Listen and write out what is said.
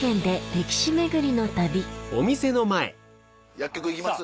薬局行きます？